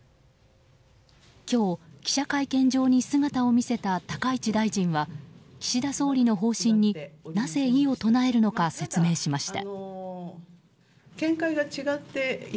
今日、記者会見場に姿を見せた高市大臣は岸田総理の方針になぜ異を唱えるのか説明しました。